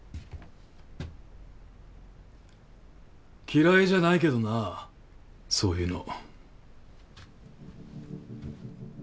嫌いじゃないけどなそういうの。